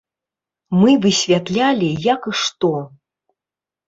Мы высвятлялі, як і што.